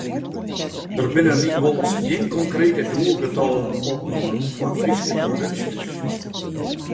Der binne lykwols gjin konkrete doelgetallen opnommen foar Fryske produksjes.